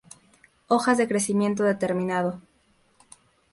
Hojas de crecimiento determinado.